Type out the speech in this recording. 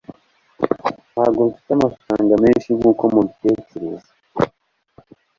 ntabwo mfite amafaranga menshi nkuko mubitekereza